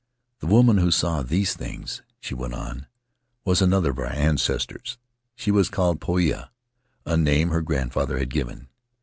"The woman who saw these things," she went on, "was another of our ancestors. She was called Poia, a name her grandfather had given.